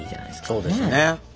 そうですね。